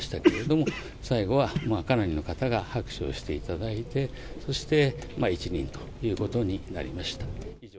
いろんな意見がありましたけれども、最後はかなりの方が拍手をしていただいて、そして一任ということになりました。